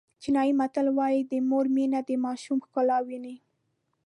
چینایي متل وایي د مور مینه د ماشوم ښکلا ویني.